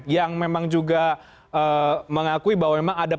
yang memang juga mengakui bahwa memang ada